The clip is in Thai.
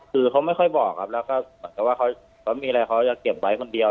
คือเขาไม่ค่อยบอกครับแล้วก็เหมือนกับว่าเขามีอะไรเขาจะเก็บไว้คนเดียว